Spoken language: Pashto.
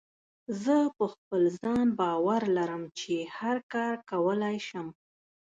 زه په خپل ځان باور لرم چې هر کار کولی شم.